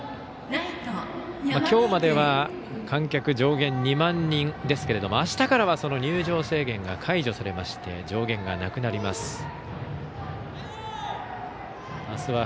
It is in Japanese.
今日までは観客上限２万人ですがあしたからは入場制限が解除されまして上限がなくなります。